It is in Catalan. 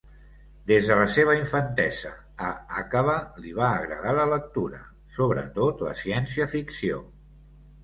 Des de la seva infantesa, a Acaba li va agradar la lectura, sobretot la ciència-ficció.